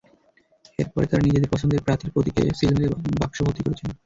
এরপর তাঁরা নিজেদের পছন্দের প্রার্থীর প্রতীকে সিল মেরে বাক্স ভর্তি করেছেন।